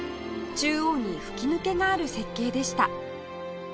中央に吹き抜けがある設計でした